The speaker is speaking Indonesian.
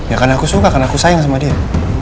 ya karena aku suka karena aku sayang sama dia